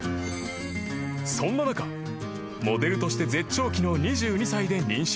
［そんな中モデルとして絶頂期の］